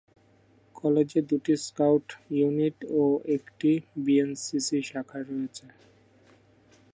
কলেজে দুটি scout unit ও একটি বিএনসিসি শাখা রয়েছে।